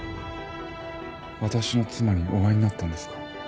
私の妻にお会いになったんですか？